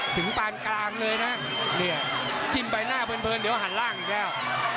ปานกลางเลยนะเนี่ยจิ้มใบหน้าเพลินเดี๋ยวหันล่างอีกแล้ว